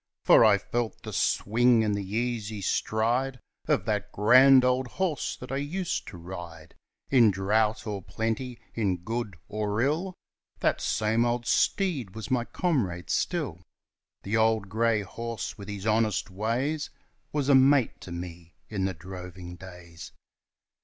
For I felt the swing and the easy stride Of the grand old horse that I used to ride In drought or plenty, in good or ill, That same old steed was my comrade still; The old grey horse with his honest ways Was a mate to me in the droving days.